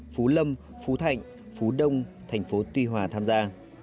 phú lâm phú thạnh phú đông tp tuy hòa tham gia